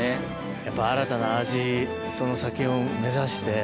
やっぱ新たな味、その先を目指して。